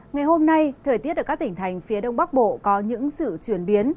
ngày hôm nay thời tiết ở các tỉnh thành phía đông bắc bộ có những sự chuyển biến